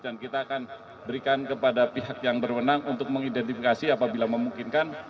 dan kita akan berikan kepada pihak yang berwenang untuk mengidentifikasi apabila memungkinkan